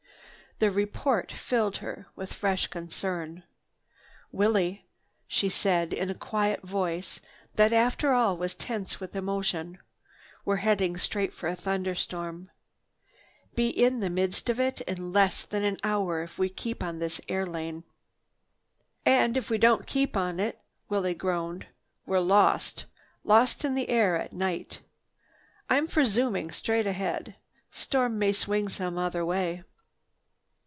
The report filled her with fresh concern. "Willie," she said in a quiet voice that, after all, was tense with emotion, "we're headed straight for a thunderstorm. Be in the midst of it in less than an hour if we keep on this air lane." "And if we don't keep on it," Willie groaned, "we're lost, lost in the air at night. I'm for zooming straight ahead. Storm may swing some other way."